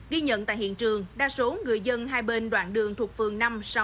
ghi nhận tại hiện trường đa số người dân hai bên đoàn đường thuộc phường năm sáu bảy